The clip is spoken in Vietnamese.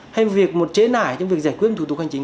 hay một chế nải trong việc giải quyết một thủ tục hành chính